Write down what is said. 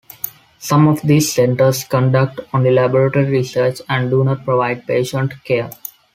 Some of these centers conduct only laboratory research and do not provide patient care.